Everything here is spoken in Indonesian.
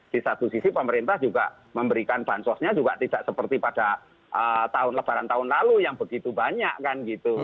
di satu sisi pemerintah juga memberikan bansosnya juga tidak seperti pada tahun lebaran tahun lalu yang begitu banyak kan gitu